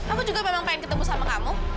aku juga memang pengen ketemu sama kamu